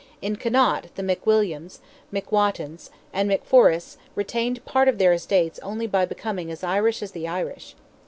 In Connaught, the McWilliams, McWattins, and McFeoriss retained part of their estates only by becoming as Irish as the Irish.